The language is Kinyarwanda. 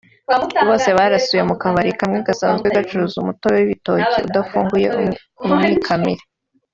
Bose barasiwe mu Kabari kamwe gasanzwe gacuruza umutobe w’ibitoki udafunguye (umwikamire)